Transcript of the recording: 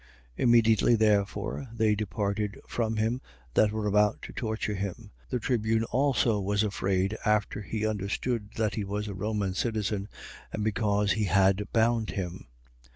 22:29. Immediately therefore they departed from him that were about to torture him. The tribune also was afraid after he understood that he was a Roman citizen and because he had bound him.